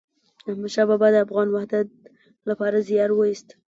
احمد شاه بابا د افغان وحدت لپاره زیار وایست.